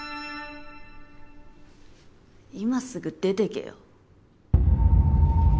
今すぐ出てけよ。